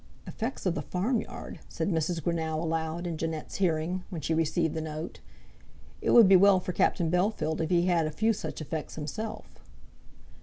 "Effects of the farmyard," said Mrs. Greenow aloud, in Jeannette's hearing, when she received the note. "It would be well for Captain Bellfield if he had a few such effects himself."